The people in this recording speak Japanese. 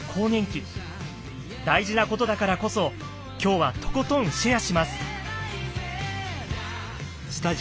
大事なことだからこそ今日はとことんシェアします！